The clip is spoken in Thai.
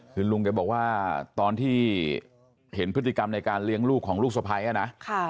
คือลุงแกบอกว่าตอนที่เห็นพฤติกรรมในการเลี้ยงลูกของลูกสะพ้ายนะ